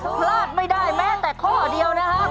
พลาดไม่ได้แม้แต่ข้อเดียวนะครับ